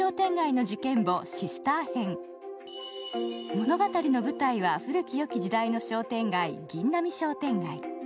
物語の舞台は、古き良き時代の商店街ぎんなみ商店街。